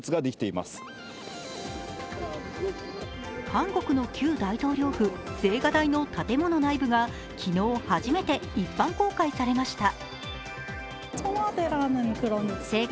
韓国の旧大統領府・青瓦台の建物内部が昨日、初めて一般公開されました。